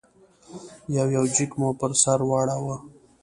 یو یو جېک مو پر سر واړاوه.